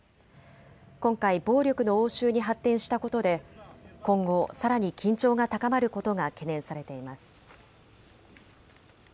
今回、暴力の応酬に発展したことで今後さらに緊張が高まることが懸念されています。